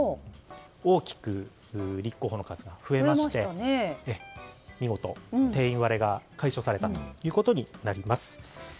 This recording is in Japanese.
大きく立候補の数が増えまして見事、定員割れが解消されたということです。